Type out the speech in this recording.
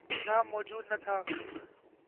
نام موجود نہ تھا۔